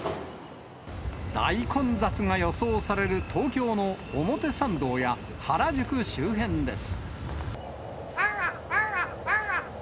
大混雑が予想される東京の表参道や原宿周辺です。